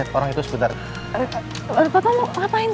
pergi bajar dari foto pas